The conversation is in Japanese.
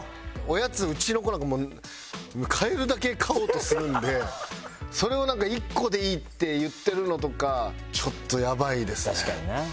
おやつうちの子なんかもう買えるだけ買おうとするんでそれをなんか１個でいいって言ってるのとかちょっとやばいですね。